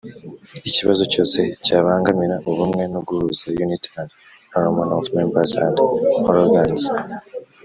ikibazo cyose cyabangamira ubumwe no guhuza unit and harmony of members and organs